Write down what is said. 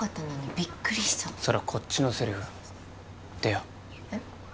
ビックリしたそれはこっちのセリフ出ようえっ？